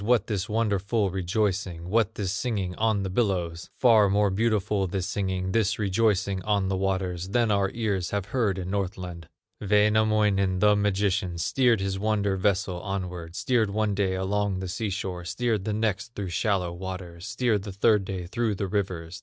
What this wonderful rejoicing, What this singing on the billows? Far more beautiful this singing, This rejoicing on the waters, Than our ears have heard in Northland." Wainamoinen, the magician, Steered his wonder vessel onward, Steered one day along the sea shore, Steered the next through shallow waters, Steered the third day through the rivers.